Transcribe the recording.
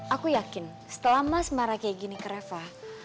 aku yakin setelah mas marah seperti ini ke reva